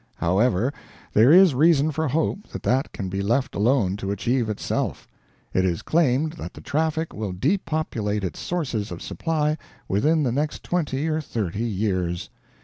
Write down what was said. However, there is reason for hope that that can be left alone to achieve itself. It is claimed that the traffic will depopulate its sources of supply within the next twenty or thirty years.